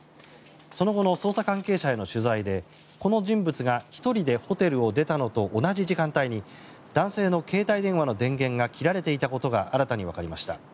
その後の捜査関係者への取材でこの人物が１人でホテルを出たのと同じ時間帯に男性の携帯電話の電源が切られていたことが新たにわかりました。